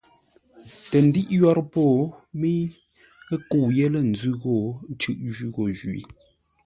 Tə ndə́iʼ yórə́ po, mə́i ə́ kə́u yé lə̂ ńzʉ́ ghô, ə́ cʉ́ʼ jwí ghô jwǐ.